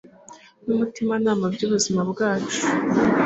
numutimanama byubuzima bwacu